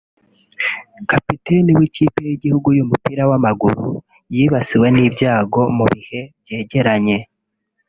Kapiteni w’ikipe y’igihugu y’umupira w’amaguru yibasiwe n’ibyago mu bihe byegeranye